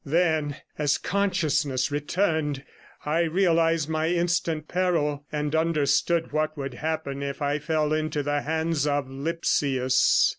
Then as consciousness returned I realized my instant peril, and understood what would happen if I fell into the hands of Lipsius.